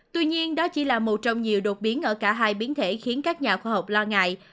tuy nhiên đó chỉ là một trong nhiều đột biến ở cả hai biến thể khiến các nhà khoa học lo ngại